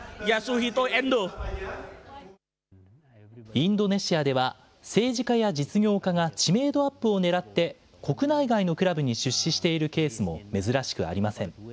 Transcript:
インドネシアでは、政治家や実業家が知名度アップを狙って、国内外のクラブに出資しているケースも珍しくありません。